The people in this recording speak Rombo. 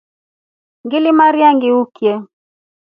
Ngilimarya ngiukye.